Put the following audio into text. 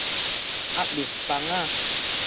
壓力枋仔